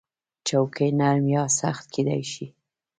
چوکۍ نرم یا سخت کېدای شي.